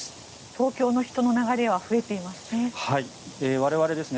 東京の人の流れは増えていますね。